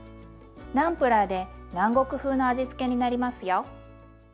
ナムプラーで南国風の味付けになりますよ。